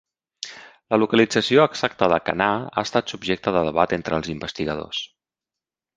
La localització exacta de Canà ha estat subjecte de debat entre els investigadors.